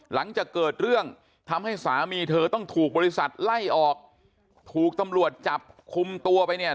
หลังจากเกิดเรื่องทำให้สามีเธอต้องถูกบริษัทไล่ออกถูกตำรวจจับคุมตัวไปเนี่ย